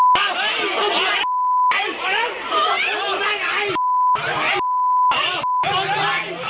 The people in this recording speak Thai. ๑ระดับสุดท้าย๒สุดท้ายแหน่งสุดท้าย